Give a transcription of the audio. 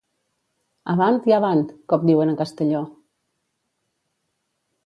Avant i avant, com diuen a Castelló.